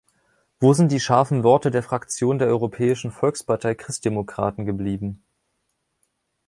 Wo sind die scharfen Worte der Fraktion der Europäischen Volkspartei Christdemokraten geblieben?